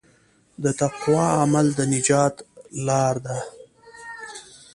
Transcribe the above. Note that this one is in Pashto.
د تقوی عمل د نجات لاره ده.